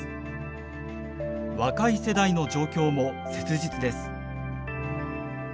若い世代の状況も切実です。